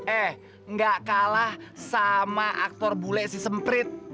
eh gak kalah sama aktor bule si semprit